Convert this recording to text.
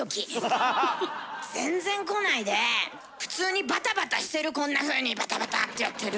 全然こないで普通にバタバタしてるこんなふうにバタバタってやってる。